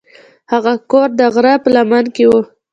هغه کور د غره په لمن کې و.